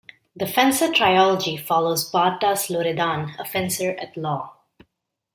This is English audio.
The Fencer trilogy follows Bardas Loredan, a fencer-at-law.